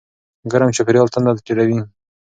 ګرم چاپېریال تنده ډېروي.